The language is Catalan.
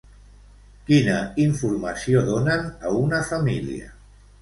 Quina informació donen a una família?